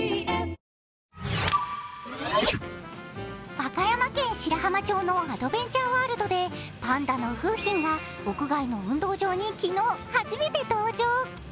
和歌山県白浜町のアドベンチャーワールドでパンダの楓浜が屋外の運動場に昨日、初めて登場。